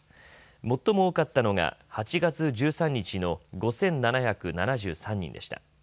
最も多かったのが８月１３日の５７７３人でした。